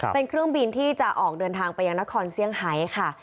เป็นเครื่องบินที่จะออกเดินทางไปยังนครเซี่ยงไฮค่ะ